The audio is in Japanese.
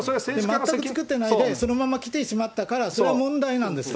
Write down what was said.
全く作ってないで、そのままきてしまったから、それが問題なんです。